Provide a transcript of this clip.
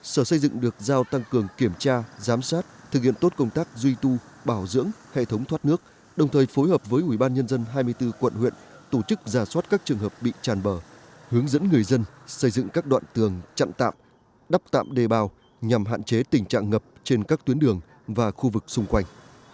sở xây dựng được giao tăng cường kiểm tra giám sát thực hiện tốt công tác duy tu bảo dưỡng hệ thống thoát nước đồng thời phối hợp với ủy ban nhân dân hai mươi bốn quận huyện tổ chức giả soát các trường hợp bị tràn bờ hướng dẫn người dân xây dựng các đoạn tường chặn tạm đắp tạm đề bào nhằm hạn chế tình trạng ngập trên các tuyến đường và khu vực xung quanh